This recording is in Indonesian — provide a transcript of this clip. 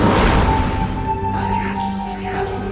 sampai kau kunci